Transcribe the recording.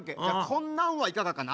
「こんなんはいかがかな？」